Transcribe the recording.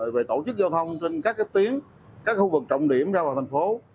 về tổ chức giao thông trên các tuyến các khu vực trọng điểm ra vào thành phố